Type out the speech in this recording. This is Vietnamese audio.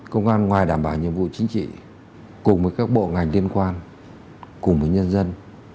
công an ngoài đảm bảo nhiệm vụ chính trị cùng với các bộ ngành liên quan cùng với nhân dân